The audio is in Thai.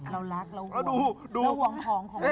เรารักเราดูห่วงของของเรา